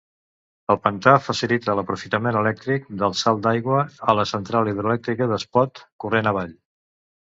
El pantà facilita l'aprofitament elèctric del salt d'aigua a la Central hidroelèctrica d'Espot, corrent avall.